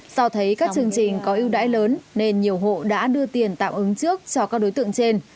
do thấy các chương trình có ưu đãi lớn nên nhiều hộ đã đưa tiền tạm ứng trước cho các đối tượng trên